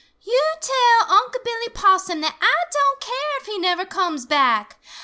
"Yo' tell Unc' Billy Possum that Ah don' care if he never comes back.